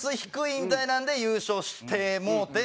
みたいなんで優勝してもうて。